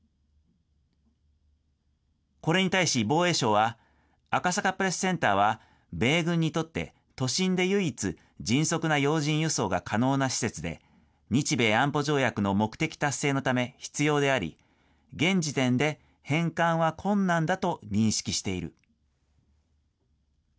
これに対し、防衛省は、赤坂プレスセンターは米軍にとって都心で唯一、迅速な要人輸送が可能な施設で、日米安保条約の目的達成のため必要であり、現時点で返還は困難だと認識している。